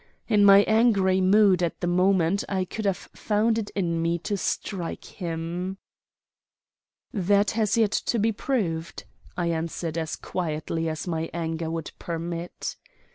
In my angry mood at the moment I could have found it in me to strike him. "That has yet to be proved," I answered as quietly as my anger would permit.